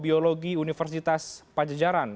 biologi universitas pajajaran